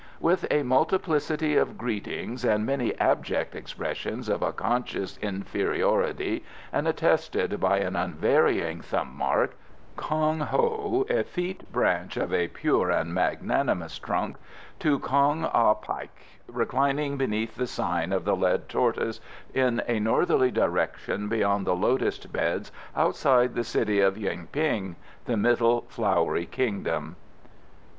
With a multiplicity of greetings and many abject expressions of a conscious inferiority, and attested by an unvarying thumb mark. KONG HO. (Effete branch of a pure and magnanimous trunk.) To Kong Ah Paik, reclining beneath the sign of the Lead Tortoise, in a northerly direction beyond the Lotus Beds outside the city of Yuen ping. The Middle Flowery Kingdom.